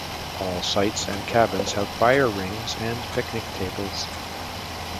All sites and cabins have fire rings and picnic tables.